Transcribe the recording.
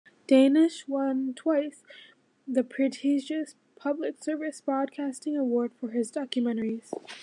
Danish won twice the prestigious Public Service Broadcasting Award for his documentaries.